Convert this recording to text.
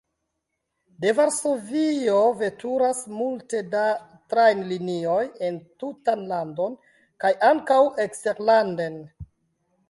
De Varsovio veturas multe da trajnlinioj en tutan landon kaj ankaŭ eksterlanden.